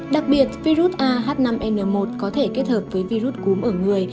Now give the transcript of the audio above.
đặc biệt virus a h năm n một có thể kết hợp với virus cúm ở người